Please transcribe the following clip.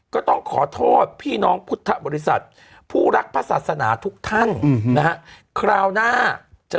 ก็ต้องขอโทษพี่น้องพุทธบริษัทผู้รักพระศาสนาทุกท่านนะฮะคราวหน้าจะ